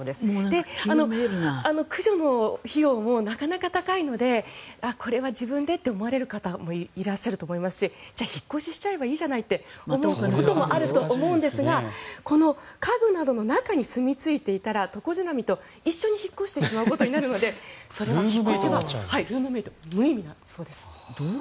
で、駆除の費用もなかなか高いのでこれは自分でと思われる方もいらっしゃると思いますしじゃあ引っ越ししちゃえばいいじゃないって思うこともあると思うんですがこの家具などの中にすみ着いていたらトコジラミと一緒に引っ越してしまうことになるのでそれは無意味だそうです。